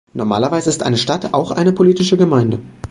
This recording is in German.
Normalerweise ist eine Stadt auch eine politische Gemeinde.